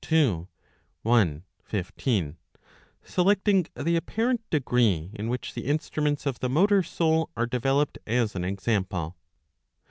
i, 15), selecting the apparent degree in which the instruments of the motor soul are deve loped as an example.